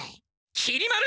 きり丸！